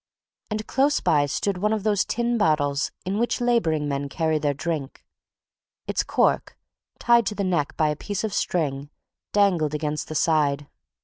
And close by stood one of those tin bottles in which labouring men carry their drink; its cork, tied to the neck by a piece of string, dangled against the side.